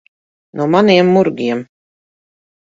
No maniem murgiem.